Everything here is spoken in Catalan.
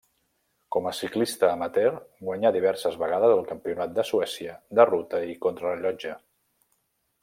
Com a ciclista amateur guanyà diverses vegades el campionat de Suècia de ruta i contrarellotge.